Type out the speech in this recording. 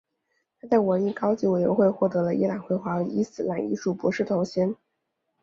他在文艺高级委员会获得了伊朗绘画和伊斯兰艺术博士头衔。